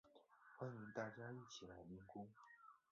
欢迎大家一起来练功